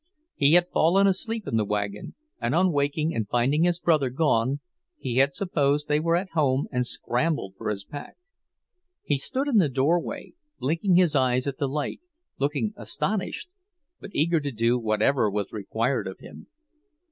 He had fallen asleep in the wagon, and on waking and finding his brother gone, he had supposed they were at home and scrambled for his pack. He stood in the doorway, blinking his eyes at the light, looking astonished but eager to do whatever was required of him.